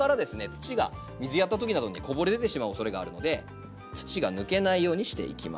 土が水やった時などにこぼれ出てしまうおそれがあるので土が抜けないようにしていきます。